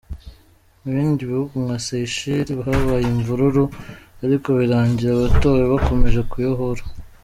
Mu bindi bihugu nka Seychelles, habaye imvururu ariko birangira abatowe bakomeje kuyobora.